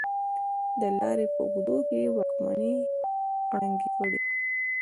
د لارې په اوږدو کې واکمنۍ ړنګې کړې.